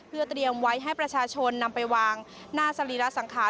เพื่อเตรียมไว้ให้ประชาชนนำไปวางหน้าสรีระสังขาร